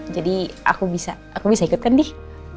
jadi aku bisa ikut kan dih